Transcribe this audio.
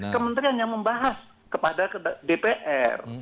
kementerian yang membahas kepada dpr